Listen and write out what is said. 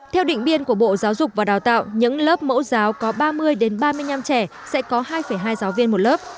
theo định biên của bộ giáo dục và đào tạo những lớp mẫu giáo có ba mươi ba mươi năm trẻ sẽ có hai hai giáo viên một lớp